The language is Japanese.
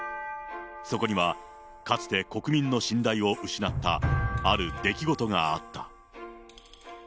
そこには、かつて国民の信頼を失ったある出来事があった。